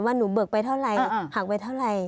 หนูเบิกไปเท่าไรหักไปเท่าไหร่